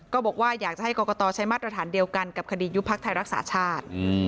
ก็บอกว่าอยากจะให้กรกตใช้มาตรฐานเดียวกันกับคดียุบพักไทยรักษาชาติ